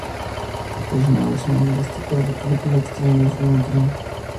Es una versión humorística de la película Extraños en un tren.